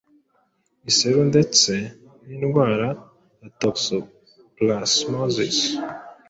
iseru ndetse n’indwara ya toxoplasmosis